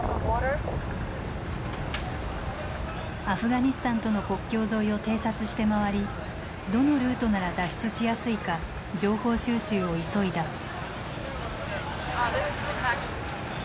アフガニスタンとの国境沿いを偵察して回りどのルートなら脱出しやすいか情報収集を急いだ。